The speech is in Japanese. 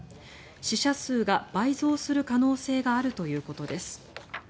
死者数が倍増する可能性があるということです。